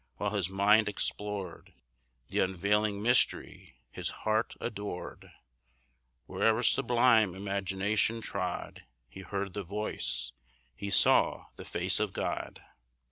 While his mind explored The unveiling mystery, his heart adored; Where'er sublime imagination trod, He heard the voice, he saw the face of God.